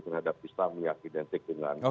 terhadap islam yang identik dengan